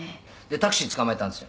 「タクシーつかまえたんですよ。